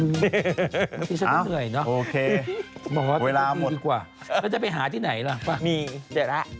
บางทีฉันก็เหนื่อยเนอะโอเคหมอเวลามีดีกว่าแล้วจะไปหาที่ไหนล่ะป่ะมีเดี๋ยว